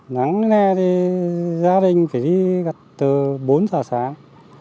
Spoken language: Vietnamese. nắng nghe thì gia đình phải đi gặt từ bốn giờ sáng